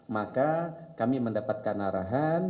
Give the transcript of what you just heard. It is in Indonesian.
maka kami mendapatkan arahan